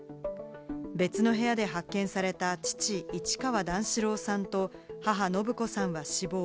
別の部屋で発見された父・市川段四郎さんと母・延子さんは死亡。